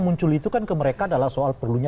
muncul itu kan ke mereka adalah soal perlunya